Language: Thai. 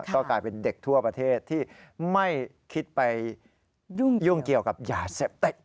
ก็กลายเป็นเด็กทั่วประเทศที่ไม่คิดไปยุ่งเกี่ยวกับยาเสพติด